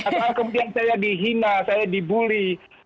atau kemudian saya dihina saya dibully